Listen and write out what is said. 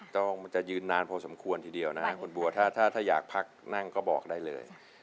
มันจะยืนนานพอสมควรทีเดียวนะคุณบัวถ้าอยากพักนั่งก็บอกได้เลย